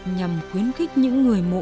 nhằm khuyến khích những người mộ